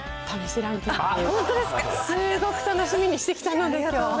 すごく楽しみにしてきたので、きょう。